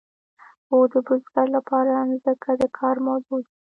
هو د بزګر لپاره ځمکه د کار موضوع ده.